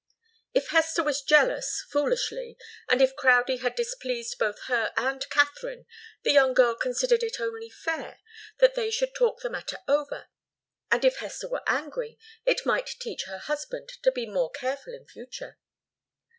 If Hester was jealous, foolishly, and if Crowdie had displeased both her and Katharine, the young girl considered it only fair that they should talk the matter over, and if Hester were angry, it might teach her husband to be more careful in future.